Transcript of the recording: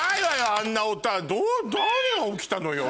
あんな音は何が起きたのよ。